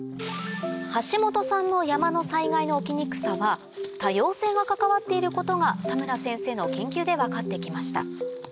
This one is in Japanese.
橋本さんの山の災害の起きにくさは多様性が関わっていることが田村先生の研究で分かってきました